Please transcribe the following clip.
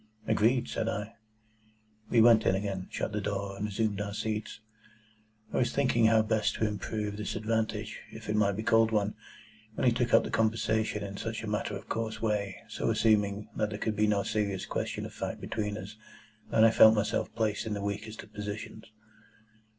"Agreed," said I. We went in again, shut the door, and resumed our seats. I was thinking how best to improve this advantage, if it might be called one, when he took up the conversation in such a matter of course way, so assuming that there could be no serious question of fact between us, that I felt myself placed in the weakest of positions.